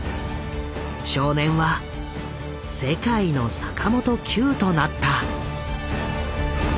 少年は世界の坂本九となった。